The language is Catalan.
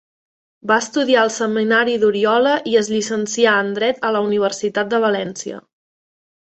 Va estudiar al seminari d'Oriola i es llicencià en dret a la Universitat de València.